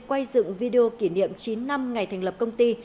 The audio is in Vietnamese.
quay dựng video kỷ niệm chín năm ngày thành lập công ty